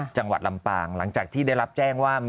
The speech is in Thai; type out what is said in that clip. จังหวัดลำปางหลังจากที่ได้รับแจ้งว่า